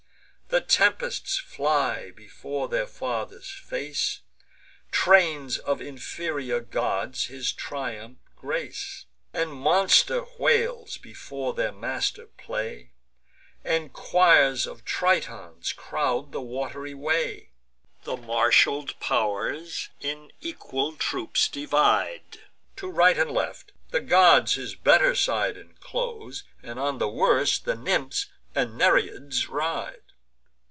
The tempests fly before their father's face, Trains of inferior gods his triumph grace, And monster whales before their master play, And choirs of Tritons crowd the wat'ry way. The marshal'd pow'rs in equal troops divide To right and left; the gods his better side Inclose, and on the worse the Nymphs and Nereids ride.